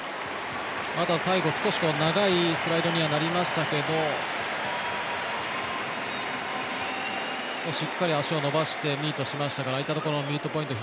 最後、少し長いスライドにはなりましたけどしっかり足を伸ばしてミートしましたから相手のミートポイント